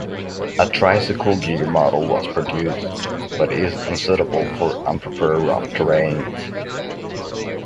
A tricycle-gear model was produced, but is unsuitable for unprepared rough terrain.